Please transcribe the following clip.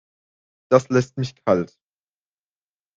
Das lässt mich kalt.